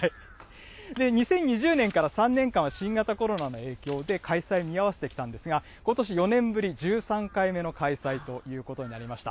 ２０２０年から３年間は新型コロナの影響で開催見合わせてきたんですが、ことし４年ぶり１３回目の開催ということになりました。